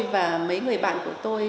và mấy người bạn của tôi